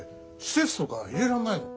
施設とか入れられないの？